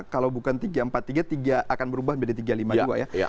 kalau bukan tiga empat tiga tiga akan berubah menjadi tiga lima dua ya